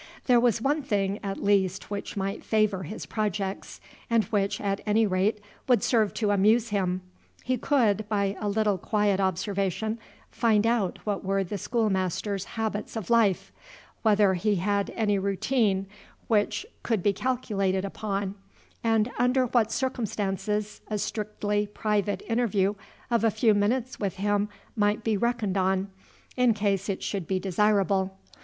There was one thing at least which might favor his projects, and which, at any rate, would serve to amuse him. He could, by a little quiet observation, find out what were the schoolmaster's habits of life: whether he had any routine which could be calculated upon; and under what circumstances a strictly private interview of a few minutes with him might be reckoned on, in case it should be desirable.